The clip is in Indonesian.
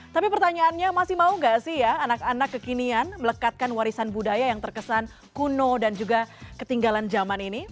tapi pertanyaannya masih mau gak sih ya anak anak kekinian melekatkan warisan budaya yang terkesan kuno dan juga ketinggalan zaman ini